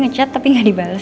ayo cepetan angkat buruan